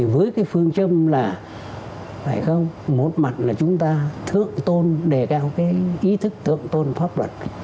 với phương châm là một mặt chúng ta thượng tôn đề cao ý thức thượng tôn pháp luật